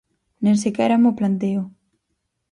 Nen sequera mo planteo.